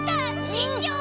ししょう！